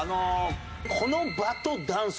「この場とダンス」。